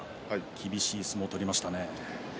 厳しい相撲を取りましたね。